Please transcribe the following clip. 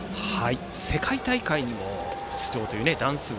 世界大会にも出場というダンス部。